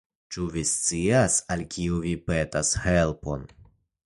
Ĉu vi scias, al kiu vi petas helpon?